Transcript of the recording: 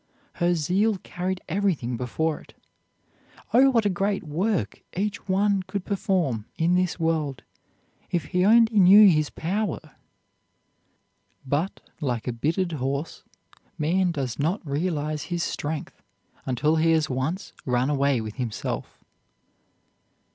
Her zeal carried everything before it. Oh! what a great work each one could perform in this world if he only knew his power! But, like a bitted horse, man does not realize his strength until he has once run away with himself.